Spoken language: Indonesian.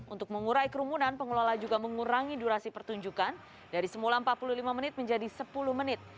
untuk mengurai kerumunan pengelola juga mengurangi durasi pertunjukan dari semula empat puluh lima menit menjadi sepuluh menit